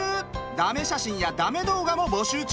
だめ写真やだめ動画も募集中。